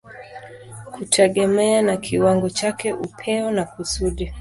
kutegemea na kiwango chake, upeo na kusudi.